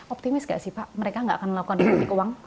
optimis gak sih pak mereka nggak akan melakukan politik uang